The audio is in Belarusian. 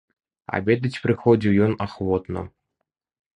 Абедаць прыходзіў ён ахвотна.